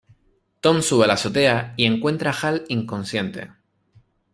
Tom sube a la azotea y encuentra a Hal inconsciente.